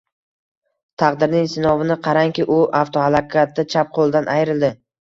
Taqdirning sinovini qarangki, u avtohalokatda chap qoʻlidan ayrildi